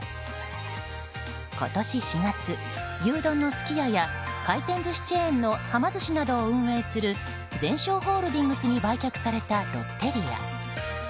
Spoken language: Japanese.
今年４月、牛丼のすき家や回転寿司チェーンのはま寿司などを運営するゼンショーホールディングスに売却されたロッテリア。